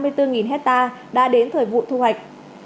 hiện còn năm mươi bốn hecta đã đến thời vụ thu hoạch